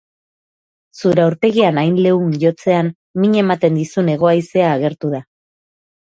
Zure aurpegian hain leun jotzean min ematen dizun hego haizea agertu da.